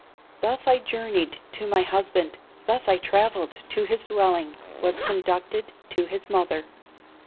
Thus I journeyed to my husband, Thus I travelled to his dwelling, Was conducted to his mother.